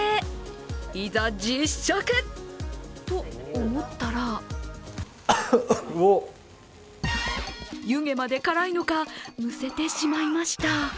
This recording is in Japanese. いざ、実食と思ったら湯気まで辛いのかむせてしまいました。